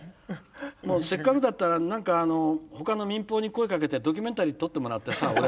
もうせっかくだったら何かほかの民放に声かけてドキュメンタリー撮ってもらってさ俺。